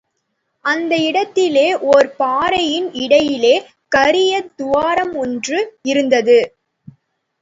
அந்த இடத்திலே ஒரு பாறையின் இடையிலே, கரிய துவாரம் ஒன்று இருந்தது.